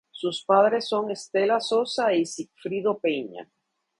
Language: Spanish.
Sus padres son Estela Sosa y Sigfrido Peña.